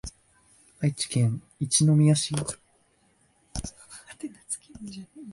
愛知県一宮市